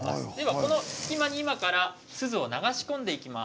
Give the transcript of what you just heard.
この隙間に今からすずを流し込んでいきます。